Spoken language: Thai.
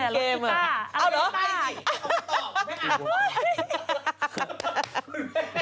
เอ้าหรือ